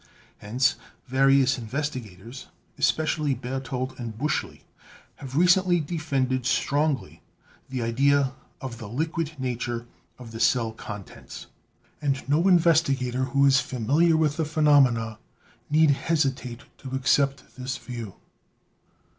Hence various investigators, especially Berthold and Butschli, have recently defended strongly the idea of the liquid nature of the cell contents, and no investigator who is familiar with the phenomena need hesitate to accept this view.